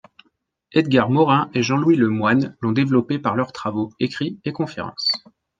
Edgar Morin et Jean-Louis Le Moigne l'ont développé par leurs travaux, écrits et conférences.